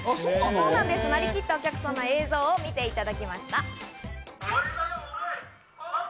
なりきったお客さんの映像を見ていただきました。